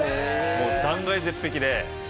断崖絶壁で。